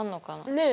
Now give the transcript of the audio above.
ねえ。